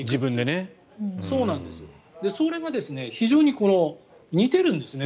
それが非常に似てるんですね。